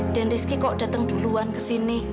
den rizki kok datang duluan ke sini